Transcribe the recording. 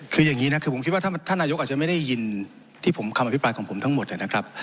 คืออย่างนี้นะคือผมคิดว่าท่านนายกอาจจะไม่ได้ยินที่ผมคำอภิปรายของผมทั้งหมดนะครับ